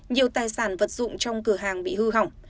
nhiều tài sản vật dụng trong cửa hàng bị hư hỏng